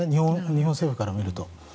日本政府から見ると。